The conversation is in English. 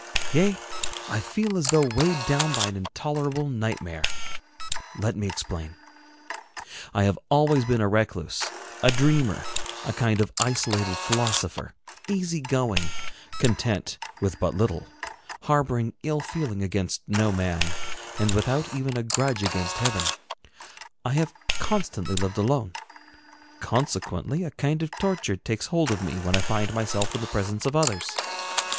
Yea, I feel as though weighed down by an intolerable nightmare. Let me explain. I have always been a recluse, a dreamer, a kind of isolated philosopher, easy going, content with but little, harboring ill feeling against no man, and without even a grudge against heaven. I have constantly lived alone; consequently, a kind of torture takes hold of me when I find myself in the presence of others.